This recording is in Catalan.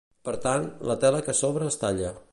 Per tant, la tela que sobra es talla.